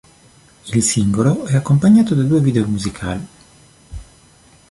Il singolo è accompagnato da due video musicali.